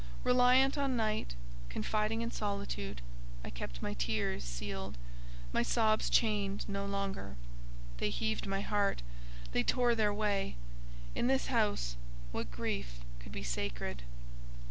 Reliant on Night, confiding in Solitude, I kept my tears sealed, my sobs chained, no longer; they heaved my heart; they tore their way. In this house, what grief could be sacred?